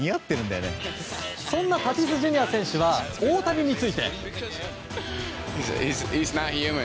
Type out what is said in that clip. そんなタティスＪｒ．選手は大谷について。